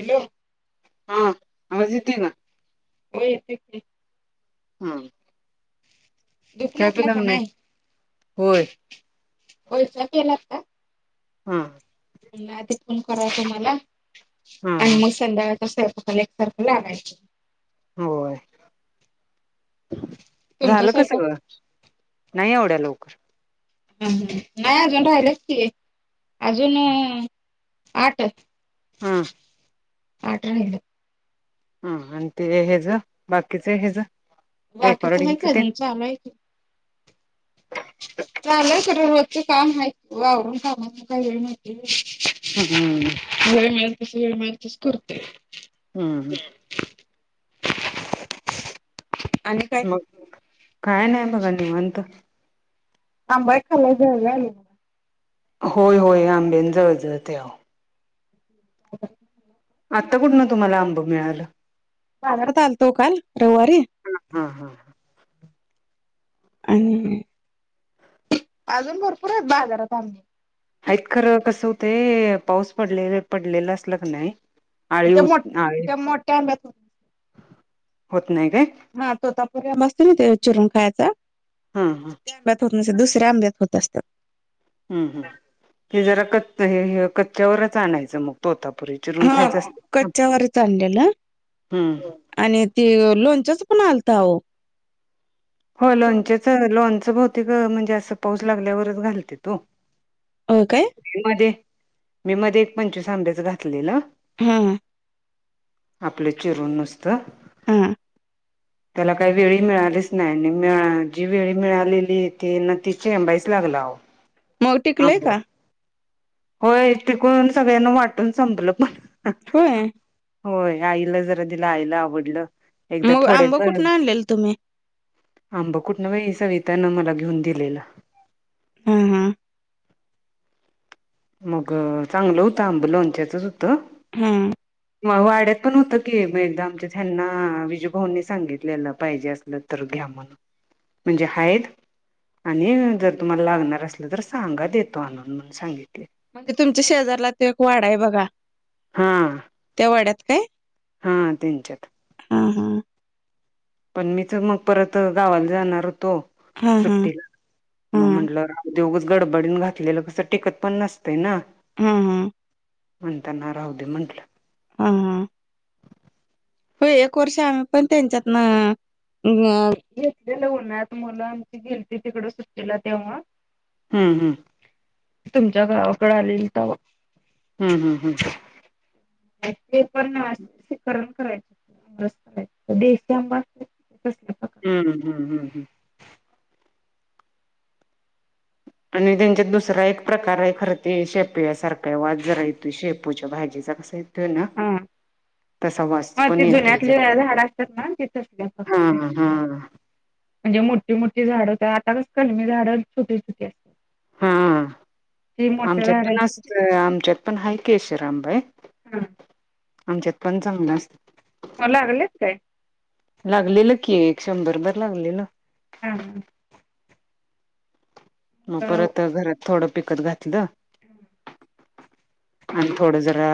Hello. हा आवाज येते णा. हो येत. हम. झोपून उठला का नाही होय. [unintelligible] केला हा. आधी पण कराव तुम्हाला हा आणि हा मग संध्याकाळ ससारखं [unintelligible] लागायचं. होय. तुमचा झालं का स्वयंपाक सगळं नाही एवड्या लवकर. हम हम नाही अजून राहिलच की. अजून आठ. हम्म. आठ राहिले. ह आणि ते हेज बाकीच हेज. बाकीच नाही रेकॉर्डिंगच का ते अजून चालू आहे की, चाले खर रोजच काम आहे वावरून कामा काही वेळ माहिती. हम् हम्म. [unintelligible] करुर्ते. हम्म हम्. आणि काय मग काय नाही बघा निवांत. आंबाय खाललाय जे वायला ये होय होय आंबेन जळजळ त्याव. [inaudible] आता कुठन तुम्हाला आंब मिळालं. बाजारात आलतो काल रववारी हा हा. आणि, अजून भरपूर आहेत बाजारात आंबे. आहेत खर कसं होतंय पाऊस पडले-पडलेला असल क नाही आळी त्या मोठ होत आळी त्या मोठ्या आंब्यात होत नाही काय? हा तोता पुऱ्या मस्त नाही ते चिरून खायचा. हा -हा आंब्यात होत दुसऱ्या आंब्यात होत असतात हम्म हम हे जरा कच्च कच्च्यावरच आणायचं मग तो हा कच्च्यावरच आणलेलं हम्म [inaudible] आणि ती लोणच्याच कोण आलत अहो होय लोणच्याच लोणच बहुतेक म्हणजे असं पाऊस लागल्यावरच घालतेत वो हो [inaudible] मध्ये मी मध्ये एक पंचवीस आंब्याच घातलेलं हा आपलं चिरून नुसतं हा त्याला काही वेळी मिळलेस नाही जी वेळ मिळालेली ती न चेबाईच लागला अहो मग टिकलय आंब का होय टिकून सगळ्यांना वाटून संपलं पण [inaudible] होय होय आईला जरा तिला आईला आवडलं एकदा मग थोडे आंब [inaudible] कुठनं आणलेल तुम्ही आंब कुठ न बाई सवितानं मला घेऊन दिलेल हा- हा मग चांगलं होतं आंब लोंच्याचच होतं हम्म मग वाड्यात पण होतं की मग एकदा आमच्या यांना विजू भाऊंनी सांगितलेलं पाहिजे असलं घे. म्हणजे हायत. आणि जर तुम्हाला लागणार असल तर सांगा देतो आणनून म्हणून सांगितल म्हणजे तुमच्या शेजारलाच एक वाढा आहे बघा हा त्या वाड्यात काय हा त्यांच्यात हा- हा पण मीच मग परत गावाला जाणार होत तो हा हा सुट्टीला [inaudible] हा मग म्हटलं ते उगाच गडबडीत घातलेलं कसं टिकत पण नसतं ना हा -हा म्हणताना राहु दे म्हटलं हा- हा हो एक वर्ष आम्ही पण त्यांच्यात ना मग घेतलेल उन्हाळ्यात मुल आमची गेलती तिकडं सुट्टीला तेव्हा हम्म- हम्म [inaudible] तुमच्या गावाकडे आलेल तवा हम्म -हम्म- हम्म ते पण [unintelligible] करण करायचं देशी [inaudible] आंबा प्रकारचे हम्ममम हम्म- हम्म -हम्म आणि त्यांच्यात दुसरा एक प्रकार आहे खरं ते शेपू या सारखा वाज जरा येतोय शेपूच्या भाजीचा कसं तर ना तसा वास ह [inaudible] पण ते येतोय जुन्यातले जरा झाड असतात ना तिथं सगळ्या हा प्रकारचे असतात हा म्हणजे मोठी- मोठी झाड आताच कलमी झाड छोटी- छोटी अस हा मोठ्या आमच्यात पण झाडांची असताय आमच्यात पण केशरंब बाई हम्म. आमच्या पंचमला अस. लागलेत काय लागलेलं की एक शंभरभर लागलेलं. हम् हम्. मग परत घरात थोडं पिकत घातलं. हम् [unintelligible] आणि थोड जरा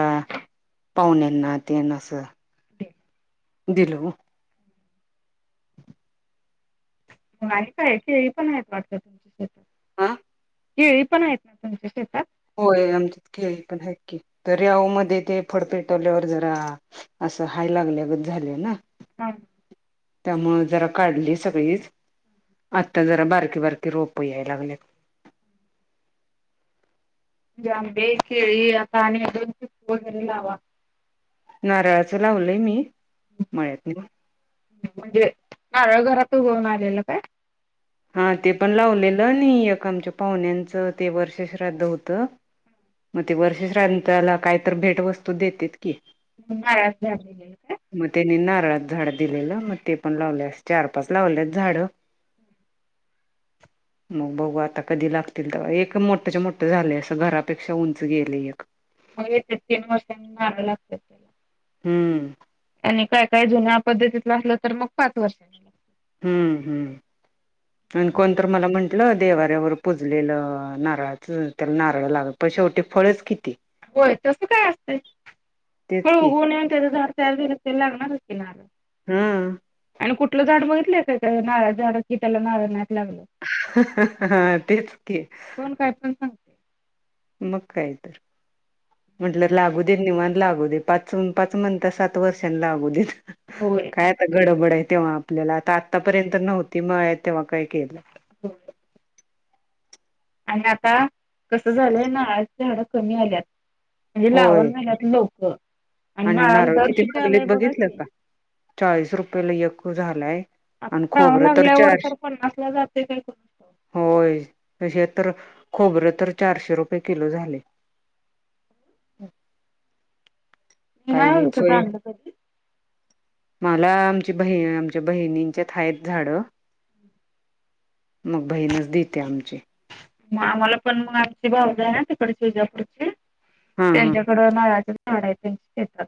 पाहुनना ते ना असं. अ [unintelligible] दिल. काय खेळी पण आहेत वाटत तुमच्या. आह. केळी पण आहेत, ना तच्या श होय आमच्यात खेळी पण आहेत की. तर आऊ मध्ये ते फडपेटवल्यावर जरा असं, हाय लागल्यागच झालं ना. हम! त्यामुळं जरा काढली सगळीच. आता जरा बारकी बारकी रोप याय लागल्यात. [unintelligible] आंबे केळी आता आणि दोन कोणते तरी लावा. नारळाचं लावलय मी, मळ्यात नेहून. म्हणजे नारळ घरात उगवून आलेल काय? हा ते पण लावलेलं अणि, एक आमच्या पाहुण्यांचं ते वर्ष श्राद्ध होत. मग ते वर्ष श्रांताला कायत भेट वस्तू देतेत. नारळाचं झाड दिलेलं काय मना [unintelligible] ळात झाड दिलेलं मग ते पण, लावलेस चार पाच लावलेत झाड. मग बऊ आता कधी लागतील, तर एक मोठ मोठं झालं असं घरापेक्षा उंच गेले एक. मग येत तीन वर्षांनी मार लागतं त्याला. हम्म. आणि काय काय जुन्या पद्धतीतलं असलं, तर मग पाच वर्ष झालं. हम्म हम्म आणि कोणत मला म्हण देवाऱ्यावर पुजलेलं नारळाच त्याला, नारळ लाग प शेवटी फळेच किती. होय तस काय असतय तेच फळ की उगवून येऊन त्याच झाड. सर्व तेला लागणार होते ना? ह! आणि कुठलं झाड बघितलंय काय, का नारळा झाड की त्याला नारळ नाहीत. लाग तेच की कोण काय पण सांगत. मग काय तर म्हणलं लागू दे निवांत. लागू दे पाच पाच म्हणता सात वर्षांनी लागुदेत होय काय आता गडबड हाय. तेव्हा आपल्याला आता, आतापर्यंत नव्हती मग तेव्हा काय केलं? होय आणि आता कस झालंय, नारळ ची झाडं कमी आल्यात. म्हणजे होय लावणं झाल्यात लोक आणि नारळाला नारळ दर किती आलंय मागलेत बघा बघितलं की. का चाळीस रुपयेला एक झालंय. आता आणि श्रावण खोबरं तर लागल्यावर चार पन्नासला जाते काय कोणास ठाऊक. होय तसेच. तर खोबरे तर चारशे रुपये किलो झाले. हम [unintelligible] नाही विकत कांदाभजी. मला आमची बहीण आमच्या बहिणींच्यात आहेत झाड. मग बहीणच देते आमची. मग आम्हाला पण मग आमची भाऊजाय आहे ना तिकडे ची विजापूर हा हा त्यांच्याकड नारळाच.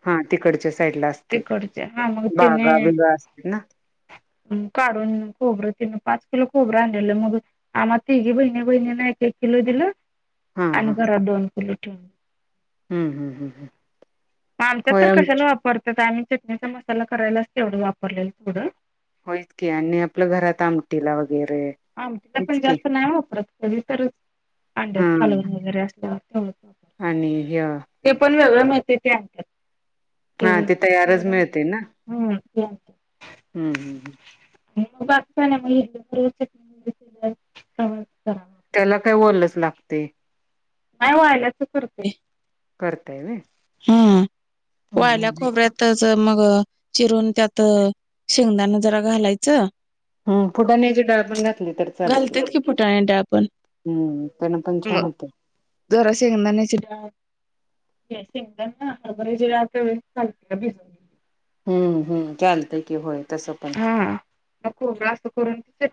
हा तिकडच्या साईडला असते. तिकडचे हा मग बागा त्याने बिगा असत्यात ना काढून खोबरं तिन पाच किलो खोबरं आणलेलं मग आम्हा तिघी बहिणी बहिणी नाही. एक किलो दिल हा आणि हा घरात दोन किलो ठेवलं. हम्म हम्म हम्म हम्म. मग आमच्या होय तर कशाला आमची वापरत्यात. आम्ही चटणीचा मसाला करायलाच तेवढं वापरलेलं थोडं. होईच की आणि आपलं घरात आमटी ला वगै आमटीला पण जास्त नाही वापरत. कधी तर हा अंड्याच कालवण वगैरे असल्यावर तेढच. आणि जे सगळ म्हणत्या ते असत्यात. हा ते तयारच मिळते ना हम्म. हम्म हम्म हम्म. मग बाकी मग [unintelligible] त्याला काय ओलंच लागते. नाही वाळल्याच करतोय. करताय व्हय.? हा वाळल्या हम्म खोबऱ्यातच च मग चिरून त्यात शेंगदाणा जरा घालायचं. हम्म फुटाण्याची डाळ पण घातली तर चालतेया. घालतेत की फुटाणे डाळ पण हम्म पण पण छान मग होत.. जरा शेंगदाण्याची डाळ. शेंगदाणा हरभऱ्याची डाळ थोडीशी घालते. भिजवून. हम्म हम्म चालतय. की होय तसं पण हा, खोबरं असतं परत तिथे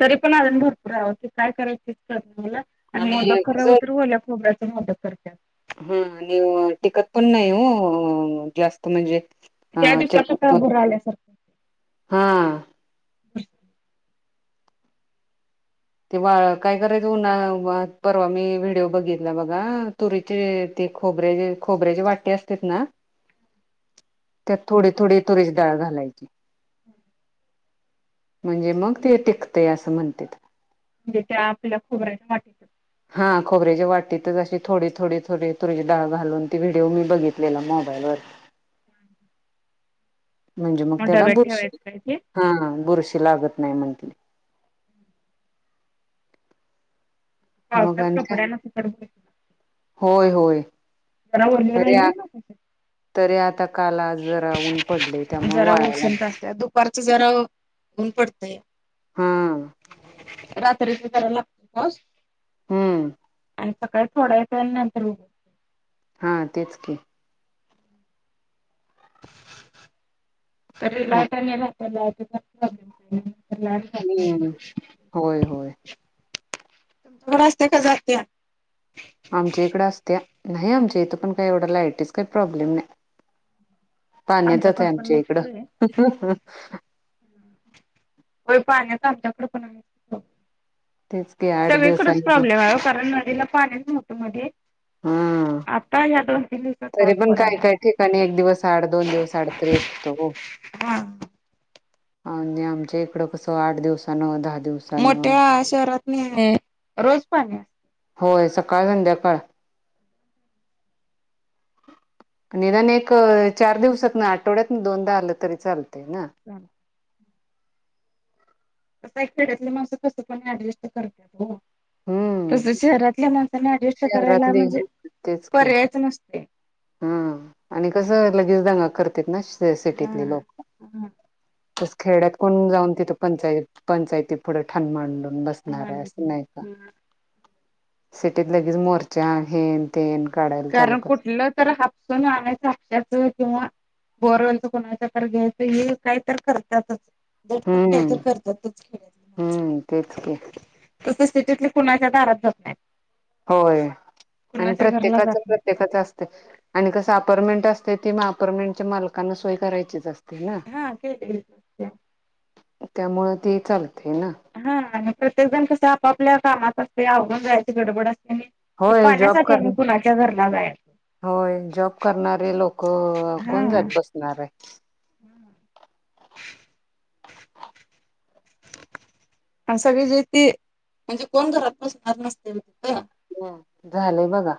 तरी पण अजून भरपूर आहे काय करायचे तेच कळत नाही मला आणि मोदक करावं तर ओल्या खोबऱ्याच. मदत करत्या. हा आणि टिकत पण नाही ओ, जास्त म्हणजे. हा त्या दिवसात चटणी आता मध्ये भुर आल्यासारखं हा. [unintelligible] ते वाळ काय करायच उन्हाळा परवा मी व्हिडिओ बघितला बघा. तुरीचे खोबऱ्या खोबऱ्याचे वाटी असतेत ना! हम [inaudible] त्यात थोडी थोडी तुरीची डाळ घालायची. [inaudible] म्हणजे मग ते टिकते असं म्हणत्यात. म्हणजे त्या आपल्याला खोबऱ्याच्या वाटी त्या. हा खोबराच्या वाटीतच अशी थोडी थोडी थोडी तुरीची डाळ घालून ती व्हिडिओ मी बघितलेला. मोब बाईला ना [unintelligible] [inaudible] म्हणजे मग त्याला डब्यात बुरशी ठेवायचं काय ते हा बुरशी. लागत नाही म्हणटली. पावसात मोगच्या, कपड्यान फुकट जरा होय होय. ओली तरी आ राहिली ना तरी आता काम आज जरा ऊन पडले त्यामुळे जरा वाळाया घातली. उष्णता असत्या दुपारचं जरा ऊन पडतंय. हा. रात्रीचा जरा लागतो. पाऊस. हम्म. आणि सकाळी थोड्या येतो, नंतर ऊन येत. हा तेच की. तरी मग लायटनी ना आप प्रॉब्लेम हम्म होय होय [unintelligible] [unintelligible] बरे असते का जातेया, श, आमच्या इकडे असत्या, नाही आमच्या इथं पण, काही एवढं लायटीच काही प्रॉब्लेम नाय. पाण्यातच आमच्याकडे आहे आमच्या इकडं. हो पाण्यात आमच्या कडे पण तेच की आठ सगळीकडेच दिवसांनी प्रॉब्लेमे आहे ओ कारण नदीला पाणीच नव्हतं मध्ये. ह. आता ह्या दोन तीन दिवसात तरी पाऊस पण काय पडायला काय लागला ठिकाणी एक दिवस आड दोन दिवस आड तर येत हो. हा. आणि आमच्या इकडं कस आठ दिवसान दहा. दिवसानं मोठ्या शहरात नाही रोज पाणी. होय सकाळ संध्याकाळ. निदान एक चार दिवसात ना आठवड्यात ना दोनदा आलं तरी चालत ना. असतं. खेड्यातली माणस कसे पण एडजस्ट करत हम्म तसे शहरातल्या माणसे अडजस्ट करायला शहरातले म्हणजे पर्यायच नसते हा आणि कसं लगेच दंग करते ना हा सिटीतले लोक हा तस खेड्यात कोण जाऊन तिथं पंचायत पंचायती पुढे ठाण मांडून बसणार आहे असं नाही का म्हणून सिटीत लगेच मोर्चा हेन तेन काढायला चालू कारण करते कुठलं तर हापसून आणायच हक्षाच किंवा बोरवचं कुणाच्या तर घ्यायचं हे काही तर करतातच झटपट काय हम्म तर करतातच हम्म तेच की तस स्थितीत कुणाच्या दारात जात नहते. होय आणि प्रत्येकाच जात नाहीत. प्रत्येकाच असतय. आणि कसे अपार्टमेंट असते, अपार्टमेंटच्या मालकांना सोय करायची ह ते. त्यामुळे ते चालते. ना हा प्रत्येक जण कस आपापल्या कामात असते अवघून जायची गडबड असते. आणि ते होय जॉब पाण्यासाठी कर आम्ही कुणाच्या घरला.. जायाचं. होय जॉब करणारे लोक हा कोण जात बसणार आहे. सगळी जे ते म्हणजे कोण घरात नसते तिथे झालंय बघा